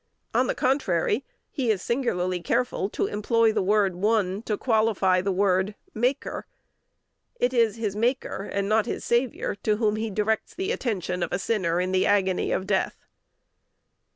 On the contrary, he is singularly careful to employ the word "One" to qualify the word "Maker." It is the Maker, and not the Saviour, to whom he directs the attention of a sinner in the agony of death.